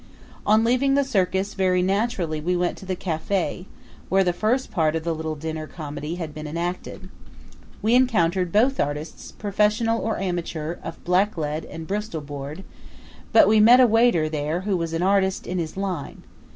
On leaving the circus, very naturally we went to the cafe where the first part of the little dinner comedy had been enacted. We encountered both artists, professional or amateur, of blacklead and bristol board, but we met a waiter there who was an artist in his line.